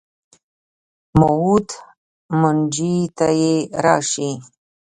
موعود منجي به یې راشي.